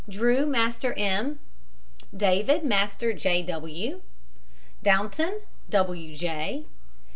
DREW, MASTER M. DAVID, MASTER J. W. DOUNTON, W. J.